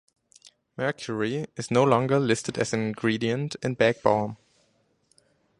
Mercury is no longer listed as an ingredient in Bag Balm.